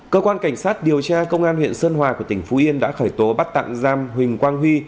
cơ quan cảnh sát điều tra công an huyện sơn hòa của tỉnh phú yên đã khởi tố bắt tạm giam huỳnh quang huy